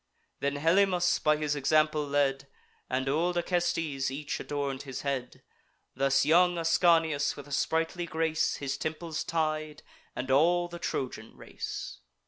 Then Helymus, by his example led, And old Acestes, each adorn'd his head; Thus young Ascanius, with a sprightly grace, His temples tied, and all the Trojan race.